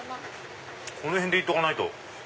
この辺でいっとかないと。